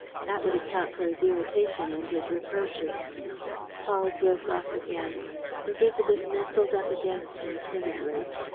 That would account for his irritation and his reproaches.'" Paul broke off again. Élisabeth nestled up against him timidly.